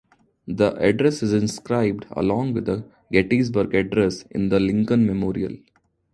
The address is inscribed, along with the Gettysburg Address, in the Lincoln Memorial.